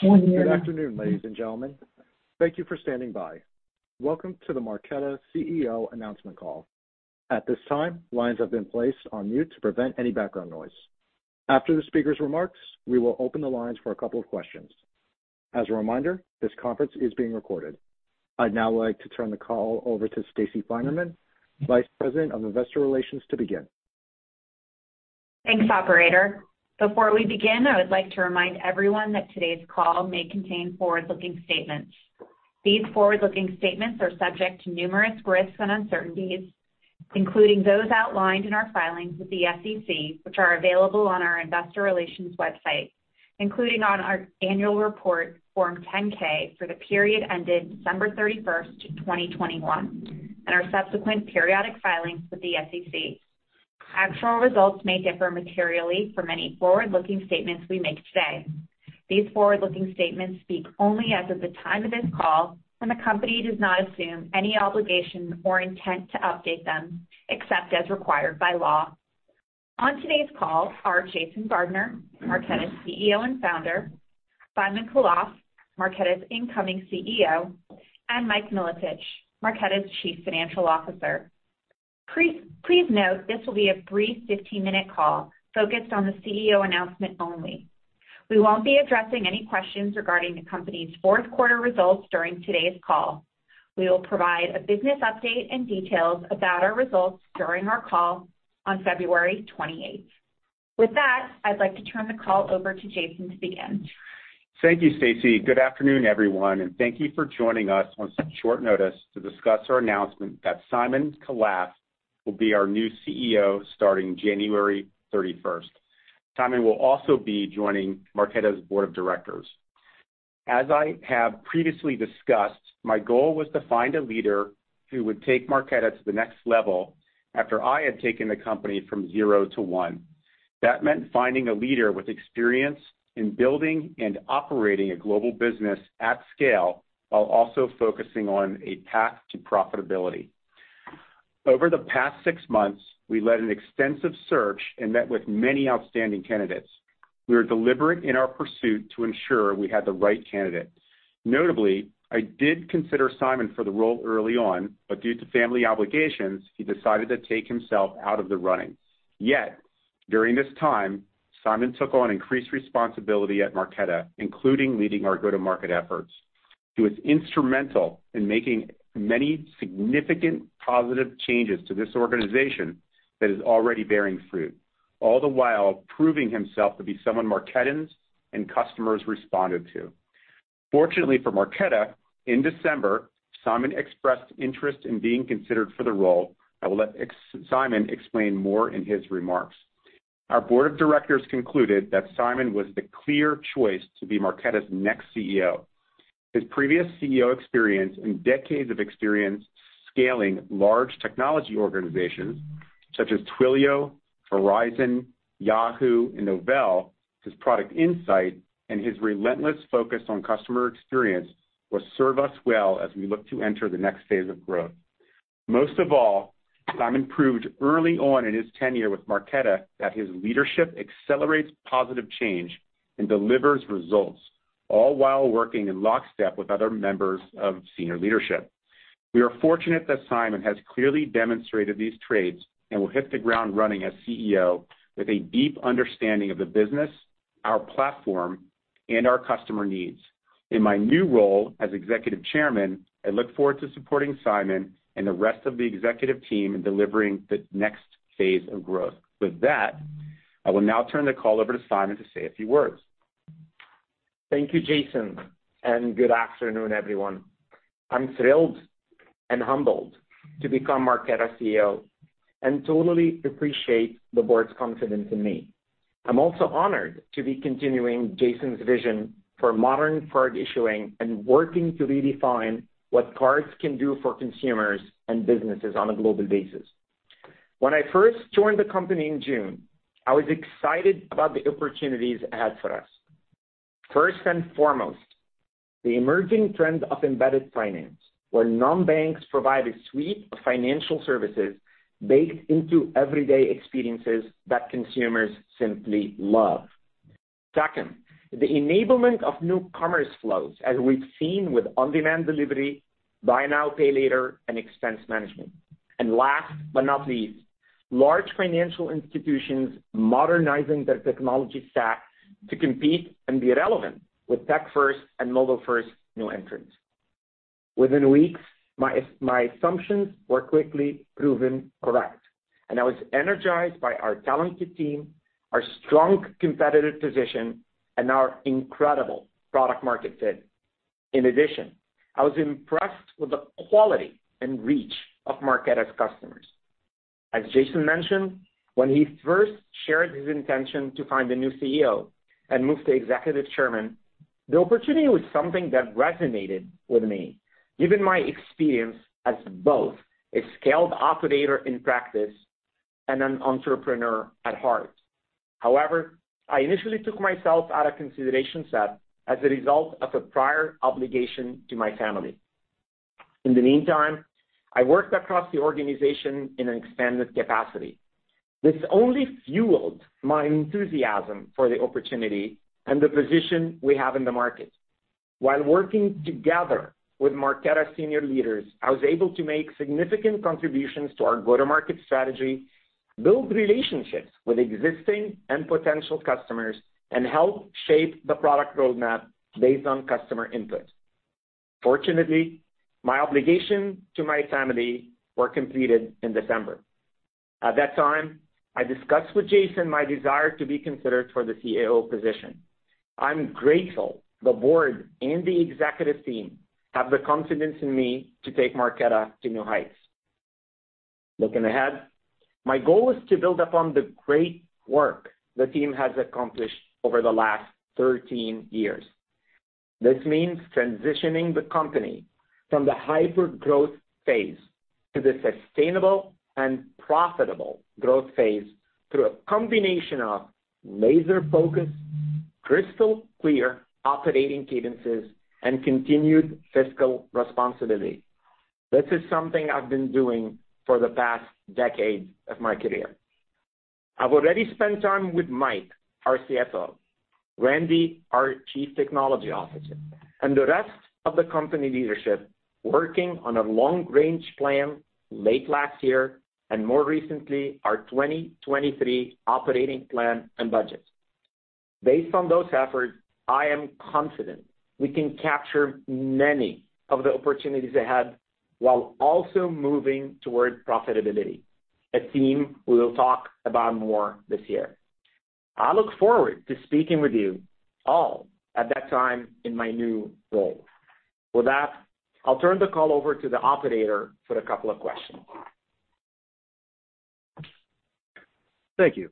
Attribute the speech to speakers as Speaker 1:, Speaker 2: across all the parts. Speaker 1: Good afternoon, ladies and gentlemen. Thank you for standing by. Welcome to the Marqeta CEO announcement call. At this time, lines have been placed on mute to prevent any background noise. After the speaker's remarks, we will open the lines for a couple of questions. As a reminder, this conference is being recorded. I'd now like to turn the call over to Stacey Finerman, Vice President of Investor Relations, to begin.
Speaker 2: Thanks, operator. Before we begin, I would like to remind everyone that today's call may contain forward-looking statements. These forward-looking statements are subject to numerous risks and uncertainties, including those outlined in our filings with the SEC, which are available on our investor relations website, including on our annual report, Form 10-K, for the period ended December 31st, 2021, and our subsequent periodic filings with the SEC. Actual results may differ materially from any forward-looking statements we make today. These forward-looking statements speak only as of the time of this call. The company does not assume any obligation or intent to update them except as required by law. On today's call are Jason Gardner, Marqeta's CEO and Founder, Simon Khalaf, Marqeta's incoming CEO, and Mike Milotich, Marqeta's Chief Financial Officer. Please note this will be a brief 15-minute call focused on the CEO announcement only. We won't be addressing any questions regarding the company's fourth quarter results during today's call. We will provide a business update and details about our results during our call on February 28th. With that, I'd like to turn the call over to Jason to begin.
Speaker 3: Thank you, Stacey. Good afternoon, everyone. Thank you for joining us on such short notice to discuss our announcement that Simon Khalaf will be our new CEO starting January 31st. Simon will also be joining Marqeta's board of directors. As I have previously discussed, my goal was to find a leader who would take Marqeta to the next level after I had taken the company from zero to one. That meant finding a leader with experience in building and operating a global business at scale, while also focusing on a path to profitability. Over the past 6 months, we led an extensive search and met with many outstanding candidates. We were deliberate in our pursuit to ensure we had the right candidate. Notably, I did consider Simon for the role early on. Due to family obligations, he decided to take himself out of the running. Yet, during this time, Simon took on increased responsibility at Marqeta, including leading our go-to-market efforts. He was instrumental in making many significant positive changes to this organization that is already bearing fruit, all the while proving himself to be someone Marquetans and customers responded to. Fortunately for Marqeta, in December, Simon expressed interest in being considered for the role. I will let Simon explain more in his remarks. Our board of directors concluded that Simon was the clear choice to be Marqeta's next CEO. His previous CEO experience and decades of experience scaling large technology organizations such as Twilio, Verizon, Yahoo, and Novell, his product insight, and his relentless focus on customer experience will serve us well as we look to enter the next phase of growth. Most of all, Simon proved early on in his tenure with Marqeta that his leadership accelerates positive change and delivers results, all while working in lockstep with other members of senior leadership. We are fortunate that Simon has clearly demonstrated these traits and will hit the ground running as CEO with a deep understanding of the business, our platform, and our customer needs. In my new role as Executive Chairman, I look forward to supporting Simon and the rest of the executive team in delivering the next phase of growth. I will now turn the call over to Simon to say a few words.
Speaker 4: Thank you, Jason. Good afternoon, everyone. I'm thrilled and humbled to become Marqeta CEO and totally appreciate the board's confidence in me. I'm also honored to be continuing Jason's vision for modern card issuing and working to redefine what cards can do for consumers and businesses on a global basis. When I first joined the company in June, I was excited about the opportunities it had for us. First and foremost, the emerging trend of embedded finance, where non-banks provide a suite of financial services baked into everyday experiences that consumers simply love. Second, the enablement of new commerce flows, as we've seen with on-demand delivery, buy now, pay later, and expense management. Last but not least, large financial institutions modernizing their technology stack to compete and be relevant with tech first and mobile first new entrants. Within weeks, my assumptions were quickly proven correct, and I was energized by our talented team, our strong competitive position, and our incredible product market fit. In addition, I was impressed with the quality and reach of Marqeta's customers. As Jason mentioned, when he first shared his intention to find a new CEO and move to executive chairman, the opportunity was something that resonated with me, given my experience as both a scaled operator in practice and an entrepreneur at heart. However, I initially took myself out of consideration set as a result of a prior obligation to my family. In the meantime, I worked across the organization in an expanded capacity. This only fueled my enthusiasm for the opportunity and the position we have in the market. While working together with Marqeta senior leaders, I was able to make significant contributions to our go-to-market strategy, build relationships with existing and potential customers, and help shape the product roadmap based on customer input. Fortunately, my obligation to my family were completed in December. At that time, I discussed with Jason my desire to be considered for the CEO position. I'm grateful the board and the executive team have the confidence in me to take Marqeta to new heights. Looking ahead, my goal is to build upon the great work the team has accomplished over the last 13 years. This means transitioning the company from the hyper-growth phase to the sustainable and profitable growth phase through a combination of laser-focused, crystal clear operating cadences, and continued fiscal responsibility. This is something I've been doing for the past decade of my career. I've already spent time with Mike, our CFO, Randy, our Chief Technology Officer, and the rest of the company leadership working on a long-range plan late last year, and more recently, our 2023 operating plan and budget. Based on those efforts, I am confident we can capture many of the opportunities ahead while also moving towards profitability. A theme we will talk about more this year. I look forward to speaking with you all at that time in my new role. With that, I'll turn the call over to the operator for a couple of questions.
Speaker 1: Thank you.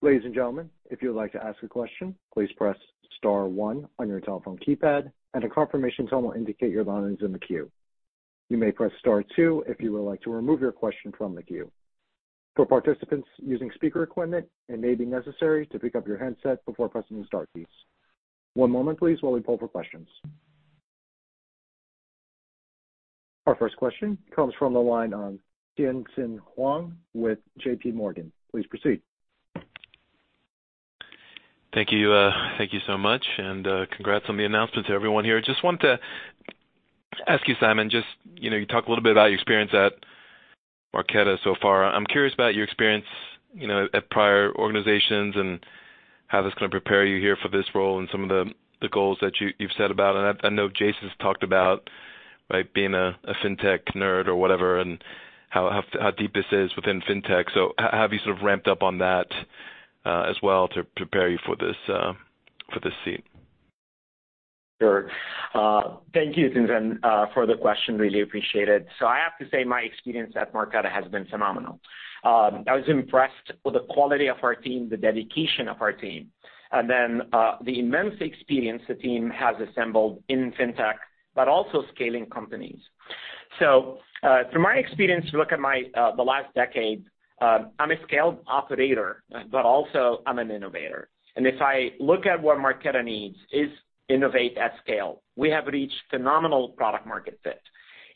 Speaker 1: Ladies and gentlemen, if you would like to ask a question, please press star one on your telephone keypad. A confirmation tone will indicate your line is in the queue. You may press star two if you would like to remove your question from the queue. For participants using speaker equipment, it may be necessary to pick up your handset before pressing the star keys. One moment please while we pull for questions. Our first question comes from the line of Tien-Tsin Huang with JPMorgan. Please proceed.
Speaker 5: Thank you. Thank you so much, and congrats on the announcement to everyone here. Just wanted to ask you, Simon, just, you know, you talked a little bit about your experience at Marqeta so far. I'm curious about your experience, you know, at prior organizations and how that's gonna prepare you here for this role and some of the goals that you've said about. I know Jason's talked about, right, being a fintech nerd or whatever and how deep this is within fintech. How have you sort of ramped up on that as well to prepare you for this seat?
Speaker 4: Sure. Thank you, Tsin, for the question. Really appreciate it. I have to say my experience at Marqeta has been phenomenal. I was impressed with the quality of our team, the dedication of our team, and then the immense experience the team has assembled in fintech, but also scaling companies. From my experience, look at my the last decade, I'm a scaled operator, but also I'm an innovator. If I look at what Marqeta needs is innovate at scale. We have reached phenomenal product market fit,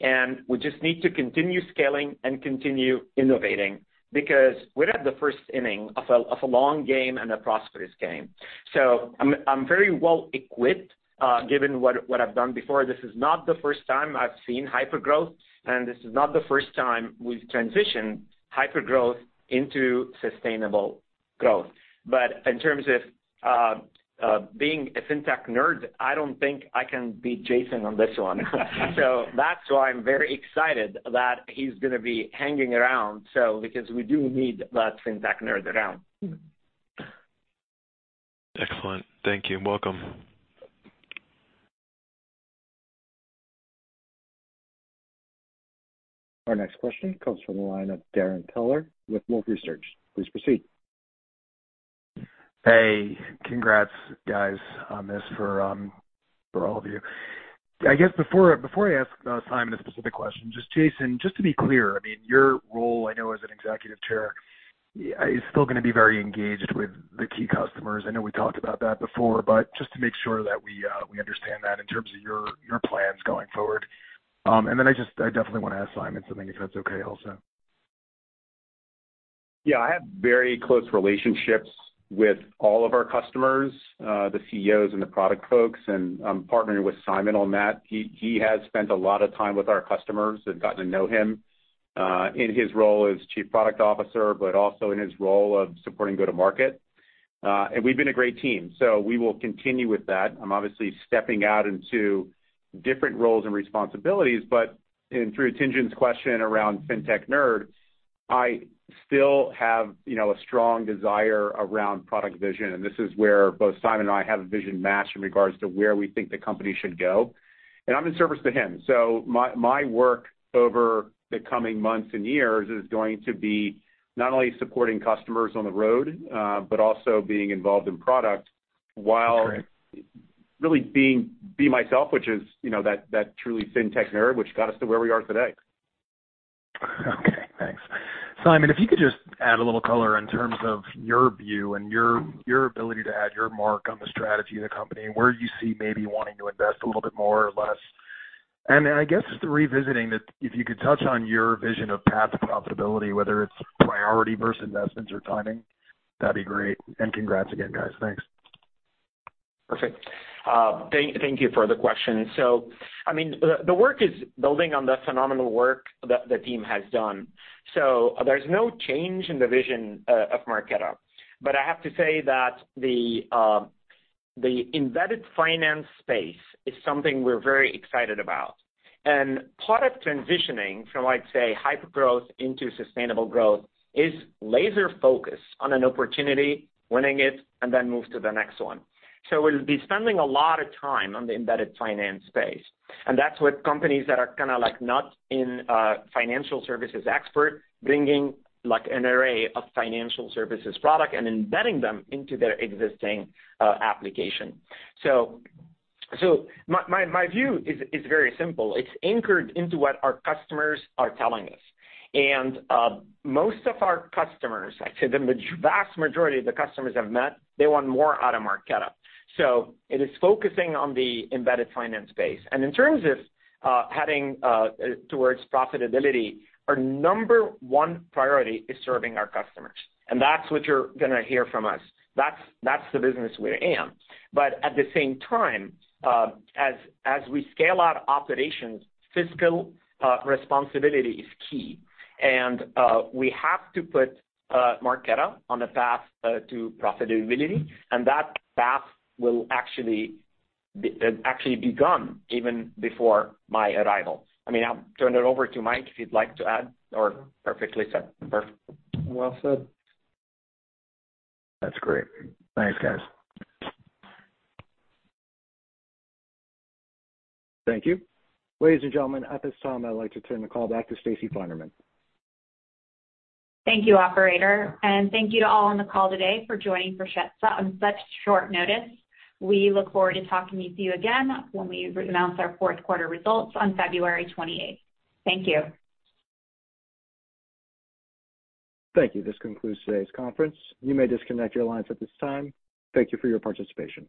Speaker 4: and we just need to continue scaling and continue innovating because we're at the first inning of a, of a long game and a prosperous game. I'm very well equipped, given what I've done before. This is not the first time I've seen hypergrowth, and this is not the first time we've transitioned hypergrowth into sustainable growth. In terms of being a fintech nerd, I don't think I can beat Jason on this one. That's why I'm very excited that he's gonna be hanging around so because we do need that fintech nerd around.
Speaker 5: Excellent. Thank you, and welcome.
Speaker 1: Our next question comes from the line of Darrin Peller with Wolfe Research. Please proceed.
Speaker 6: Hey, congrats guys on this for all of you. I guess before I ask Simon a specific question, just Jason, just to be clear, I mean, your role, I know as an executive chair, is still gonna be very engaged with the key customers. I know we talked about that before, but just to make sure that we understand that in terms of your plans going forward. Then I just, I definitely wanna ask Simon something, if that's okay also.
Speaker 3: Yeah. I have very close relationships with all of our customers, the CEOs and the product folks, and I'm partnering with Simon on that. He has spent a lot of time with our customers. They've gotten to know him in his role as chief product officer, but also in his role of supporting go-to-market. We've been a great team, we will continue with that. I'm obviously stepping out into different roles and responsibilities, and through Tien-Tsin question around fintech nerd, I still have, you know, a strong desire around product vision, and this is where both Simon and I have a vision match in regards to where we think the company should go. I'm in service to him, so my work over the coming months and years is going to be not only supporting customers on the road, but also being involved in product while...
Speaker 6: Great...
Speaker 3: really be myself, which is, you know, that truly fintech nerd, which got us to where we are today.
Speaker 6: Okay, thanks. Simon, if you could just add a little color in terms of your view and your ability to add your mark on the strategy of the company and where you see maybe wanting to invest a little bit more or less. I guess just revisiting that, if you could touch on your vision of path to profitability, whether it's priority versus investments or timing, that'd be great. Congrats again, guys. Thanks.
Speaker 4: Perfect. Thank you for the question. I mean, the work is building on the phenomenal work that the team has done. There's no change in the vision of Marqeta. I have to say that the embedded finance space is something we're very excited about. Part of transitioning from, like, say, hypergrowth into sustainable growth is laser-focused on an opportunity, winning it, and then move to the next one. We'll be spending a lot of time on the embedded finance space, and that's what companies that are kinda, like, not in financial services expert, bringing like an array of financial services product and embedding them into their existing application. My view is very simple. It's anchored into what our customers are telling us. Most of our customers, I'd say the vast majority of the customers I've met, they want more out of Marqeta. It is focusing on the embedded finance space. In terms of heading towards profitability, our number one priority is serving our customers. That's what you're gonna hear from us. That's the business we're in. At the same time, as we scale out operations, fiscal responsibility is key. We have to put Marqeta on a path to profitability, and that path will actually be begun even before my arrival. I mean, I'll turn it over to Mike if he'd like to add.
Speaker 2: No.
Speaker 7: Perfectly said. Perfect.
Speaker 2: Well said.
Speaker 6: That's great. Thanks, guys.
Speaker 1: Thank you. Ladies and gentlemen, at this time, I'd like to turn the call back to Stacey Finerman.
Speaker 2: Thank you, operator, and thank you to all on the call today for joining Marqeta on such short notice. We look forward to talking with you again when we announce our fourth quarter results on February 28th. Thank you.
Speaker 1: Thank you. This concludes today's conference. You may disconnect your lines at this time. Thank you for your participation.